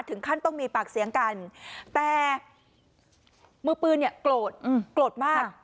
ถึงขั้นต้องมีปากเสียงกันแต่มือปืนเนี่ยโกรธโกรธมาก